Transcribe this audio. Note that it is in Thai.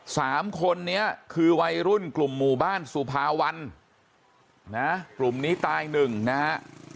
สามคนนี้คือวัยรุ่นกลุ่มหมู่บ้านสุภาวันนะกลุ่มนี้ตายหนึ่งนะฮะ